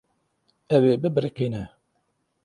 Ew ê bibiriqîne.